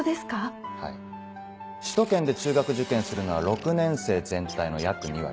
首都圏で中学受験するのは６年生全体の約２割。